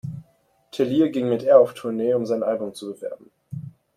Tellier ging mit Air auf Tournee, um sein Album zu bewerben.